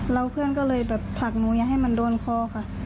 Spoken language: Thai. แล้วเพื่อนก็เลยแบบผลักหนูอย่าให้มันโดนคอค่ะ